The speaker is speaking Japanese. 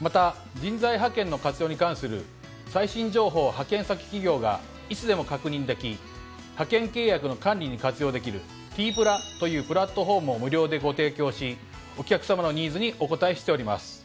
また人材派遣の活用に関する最新情報を派遣先企業がいつでも確認でき派遣契約の管理に活用できる「Ｔ−ＰＬＡ」というプラットホームを無料でご提供しお客さまのニーズにお応えしております。